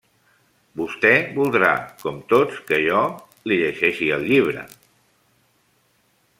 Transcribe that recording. Vostè voldrà, com tots, que jo li llegeixi el llibre…